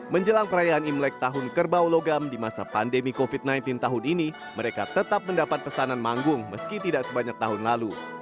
menjelang perayaan imlek tahun kerbau logam di masa pandemi covid sembilan belas tahun ini mereka tetap mendapat pesanan manggung meski tidak sebanyak tahun lalu